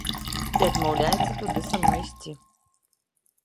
І адмаўляецца туды са мной ісці.